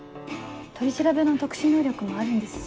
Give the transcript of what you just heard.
取り調べの特殊能力もあるんですし。